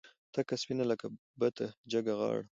تکه سپینه لکه بته جګه غاړه